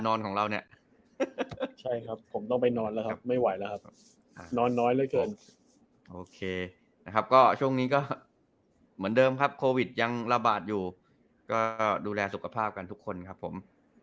โน้นน้อยเลยเกินเงินโอเคครับซภาพทุกคนครับผม